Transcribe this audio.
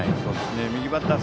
右バッター